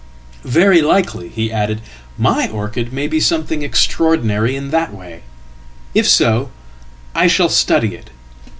"Very likely," he added, "my orchid may be something extraordinaryin that way. If so I shall study it.